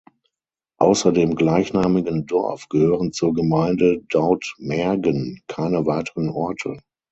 Außer dem gleichnamigen Dorf gehören zur Gemeinde Dautmergen keine weiteren Orte.